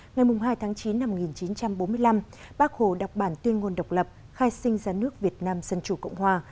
ngày hai tháng chín năm một nghìn chín trăm bốn mươi năm bác hồ đọc bản tuyên ngôn độc lập khai sinh ra nước việt nam dân chủ cộng hòa